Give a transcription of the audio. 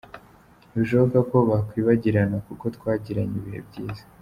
Ntibishoboka ko bakwibagirana kuko twagiranye ibihe byiza.